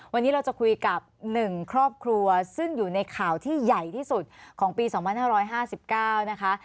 วันนี้เราจะคุยกับ๑ครอบครัวซึ่งอยู่ในข่าวที่ใหญ่ที่สุดของปี๒๕๕๙นะคะ